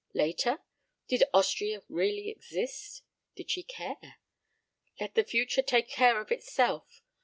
... Later? Did Austria really exist? Did she care? Let the future take care of itself.